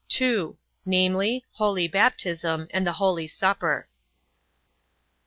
Two: namely, holy baptism, and the holy supper.